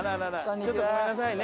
ちょっとごめんなさいね。